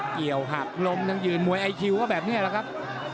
เกี่ยวหักลมทั้งยืนมวยไอคิวก็แบบนี้แหละครับ